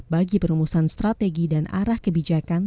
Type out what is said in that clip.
bagi perumusan strategi dan arah kebijakan